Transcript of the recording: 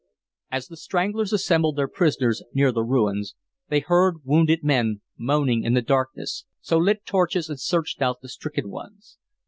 As the "Stranglers" assembled their prisoners near the ruins, they heard wounded men moaning in the darkness, so lit torches and searched out the stricken ones.